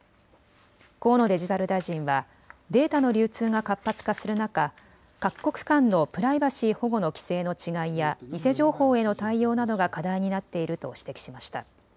河野デジタル大臣はデータの流通が活発化する中、各国間のプライバシー保護の規制の違いや偽情報への対応などが課題になっていると指摘しました。